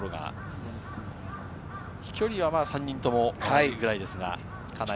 飛距離は３人とも同じくらいです。